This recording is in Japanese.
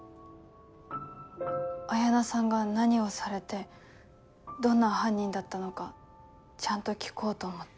彩菜さんが何をされてどんな犯人だったのかちゃんと聞こうと思って。